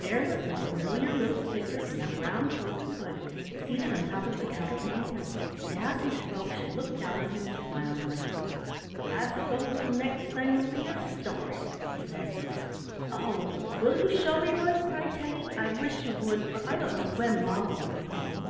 There was the familiar little figure in the brown cloak and hood, seated on top of the counterpane hill, and as he spoke she looked down on him smilingly. "I suppose the next thing will be a story," she said. "Oh! will you show me one?" cried Teddy. "I wish you would, for I don't know when mamma will be home."